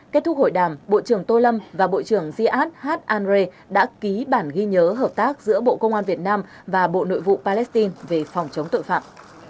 kết thúc hội đàm bộ trưởng tô lâm và bộ trưởng gard hat andre đã ký bản ghi nhớ hợp tác giữa bộ công an việt nam và bộ nội vụ palestine về phòng chống tội phạm